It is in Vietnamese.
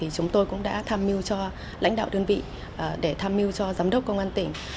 chúng tôi cũng đã tham mưu cho lãnh đạo đơn vị để tham mưu cho giám đốc công an tỉnh